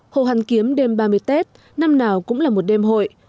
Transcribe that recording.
hồ hàn kiếm đêm ba mươi tết năm nào cũng là một đêm hội